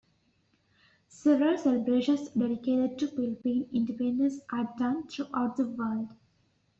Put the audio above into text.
Several celebrations dedicated to Philippine Independence are done throughout the world.